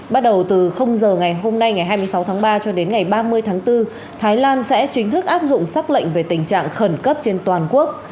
bắt đầu từ giờ ngày hôm nay ngày hai mươi sáu tháng ba cho đến ngày ba mươi tháng bốn thái lan sẽ chính thức áp dụng xác lệnh về tình trạng khẩn cấp trên toàn quốc